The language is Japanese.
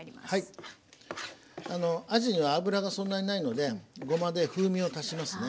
あのあじには脂がそんなにないのでごまで風味を足しますね。